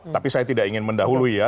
tapi saya tidak ingin mendahului ya